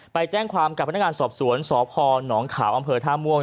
ไปแจ้งความกับพนักงานสอบสวนสพนขาวอำเภอท่าม่วง